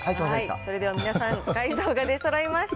それでは皆さん、解答が出そろいました。